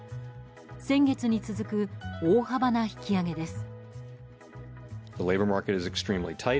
先月に続く大幅な引き上げです。